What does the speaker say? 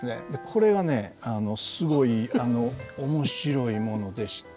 これがねすごい面白いものでして。